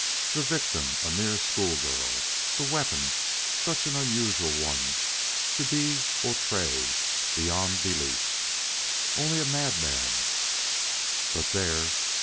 The victim a mere schoolgirl! The weapon such an unusual one as to be outré beyond belief. Only a madman But there!